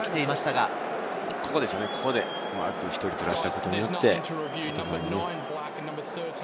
ここでうまく１人ずらしたことによって。